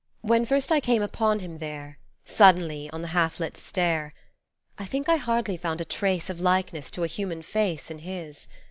When first I came upon him there Suddenly, on the half lit stair, I think I hardly found a trace Of likeness to a human face In his.